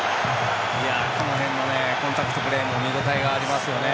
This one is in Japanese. この辺のコンタクトプレーも見応えがありますよね。